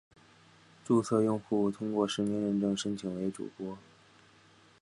注册用户通过实名认证申请成为主播。